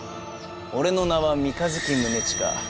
俺の名は三日月宗近。